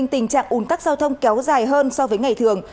tình trạng ủn tắc giao thông kéo dài hơn so với ngày thường